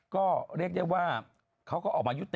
ก็เรียกได้ว่าเขาก็ออกมายุติ